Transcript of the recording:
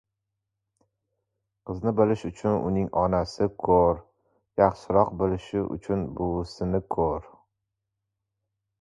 • Qizni bilish uchun uning onasini ko‘r, yaxshiroq bilish uchun buvisini ko‘r.